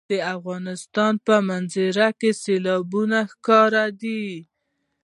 د افغانستان په منظره کې سیلابونه ښکاره ده.